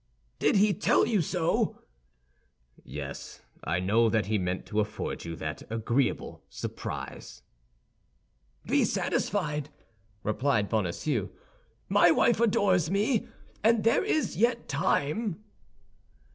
"Did he tell you so?" "Yes, I know that he meant to afford you that agreeable surprise." "Be satisfied," replied Bonacieux; "my wife adores me, and there is yet time."